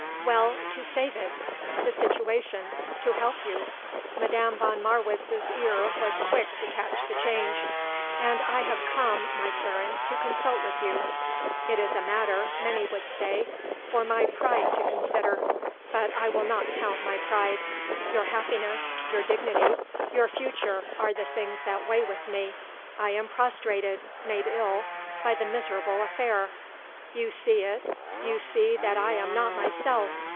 "Well, to save it the situation; to help you." Madame von Marwitz's ear was quick to catch the change. "And I have come, my Karen, to consult with you. It is a matter, many would say, for my pride to consider; but I will not count my pride. Your happiness, your dignity, your future are the things that weigh with me. I am prostrated, made ill, by the miserable affair; you see it, you see that I am not myself.